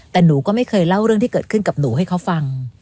แต่หนูก็ไม่เคยเล่าเรื่องที่เกิดขึ้นกับหนูให้เขาฟัง